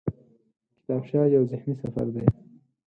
کتابچه یو ذهني سفر دی